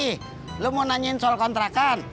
kamu mau tanya soal kontrakan